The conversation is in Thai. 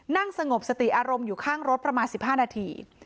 นั่งสงบสติอารมณ์อยู่ข้างรถประมาณ๑๕นาที